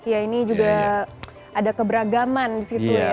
ya ini juga ada keberagaman disitu ya